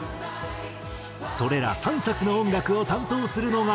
それら３作の音楽を担当するのが。